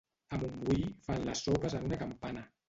A Montbui fan les sopes en una campana.